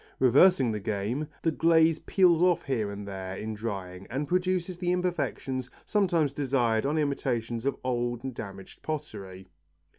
Reversing the game, the glaze peels off here and there in drying and produces the imperfections sometimes desired on imitations of old and damaged pottery.